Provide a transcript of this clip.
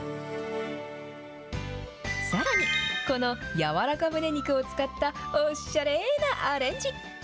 さらに、この柔らかむね肉を使った、おしゃれなアレンジ。